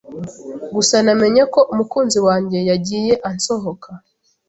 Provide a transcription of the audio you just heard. Gusa namenye ko umukunzi wanjye yagiye ansohoka.